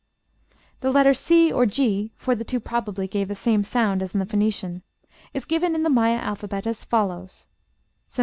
The letter c or g (for the two probably gave the same sound as in the Phoenician) is given in the Maya alphabet as follows, ###